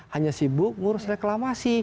hanya sibuk mengurus reklamasi